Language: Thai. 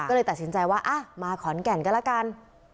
ก็เลยตัดสินใจว่ามาขอนแก่นก็แล้วกัน